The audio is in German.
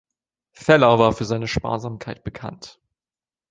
Feller war für seine Sparsamkeit bekannt.